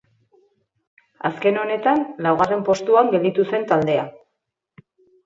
Azken honetan laugarren postuan gelditu zen taldea.